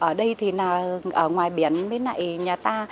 ở đây thì ở ngoài biển với lại nhà ta